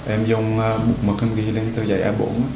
em dùng một cân ghi lên tờ giấy a bốn